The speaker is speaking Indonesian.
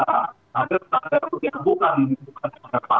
tadinya bukan ada pahala